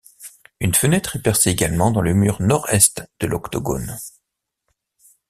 Une fenêtre est percée également dans le mur nord-est de l'octogone.